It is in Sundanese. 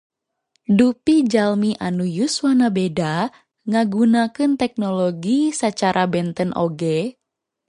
Dupi jalmi anu yuswa na beda ngagunakeun teknologi sacara benten oge?